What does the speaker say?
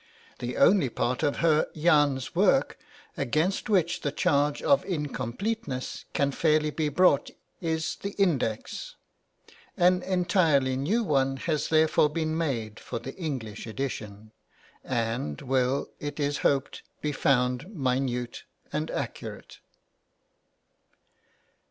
The only part of Herr Jahn's work against which the charge of incompleteness can fairly be brought is the Index; an entirely new one has therefore been made for the English edition, and will, it is hoped, be found minute and accurate.